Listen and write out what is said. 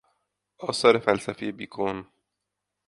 آثار فلسفی بیکون